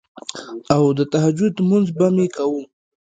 او د تهجد مونځ به مې کوو